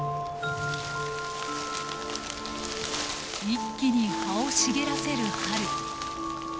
一気に葉を茂らせる春。